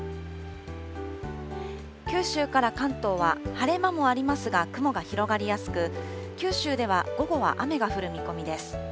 九州から関東は晴れ間もありますが雲が広がりやすく、九州では午後は雨が降る見込みです。